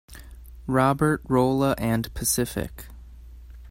Robert, Rolla, and Pacific.